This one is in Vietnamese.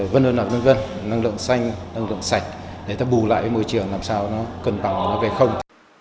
vân vân năng lượng xanh năng lượng sạch để ta bù lại môi trường làm sao nó cân bằng nó về không